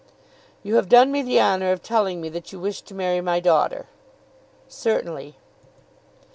"You have done me the honour of telling me that you wish to marry my daughter." "Certainly."